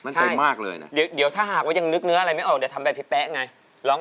นี่ถูกต้อง